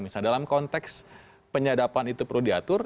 misalnya dalam konteks penyadapan itu perlu diatur